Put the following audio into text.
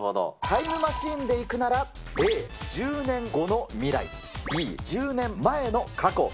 タイムマシンで行くならＡ、１０年後の未来、Ｂ、１０年前の過去。